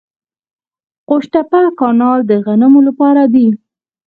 قوش تیپه کانال د غنمو لپاره دی.